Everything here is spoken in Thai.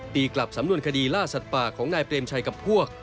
ตีกลับสำนวนคดีล่าสัตว์ป่าของนายเปรมชัยกับพวก